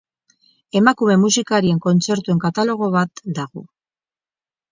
Emakume musikarien kontzertuen katalogo bat dago.